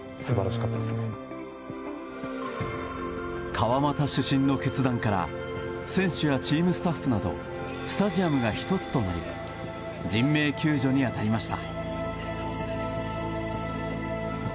川俣主審の決断から選手やチームスタッフなどスタジアムがひとつとなり人命救助に当たりました。